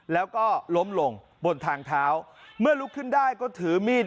แล้วก็ล้มลงบนทางเท้าเมื่อลุกขึ้นได้ก็ถือมีด